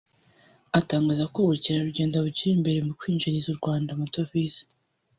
atangaza ko ubukerarugendo bukiri imbere mu kwinjiriza u Rwanda amadovize